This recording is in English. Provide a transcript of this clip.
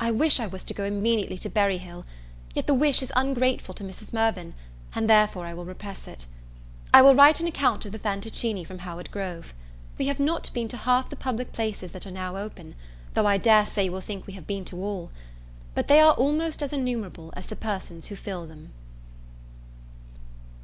I wish I was to go immediately to Berry Hill; yet the wish is ungrateful to Mrs. Mirvan, and therefore I will repress it. I shall write an account of the Fantoccini from Howard Grove. We have not been to half the public places that are now open, though I dare say you will think we have been to all. But they are almost as innumerable as the persons who fill them.